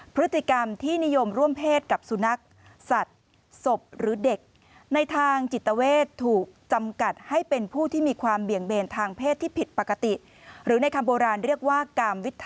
พฤติกรรมที่นิยมร่วมเพศกับสุนัขสัตว์ศพหรือเด็ก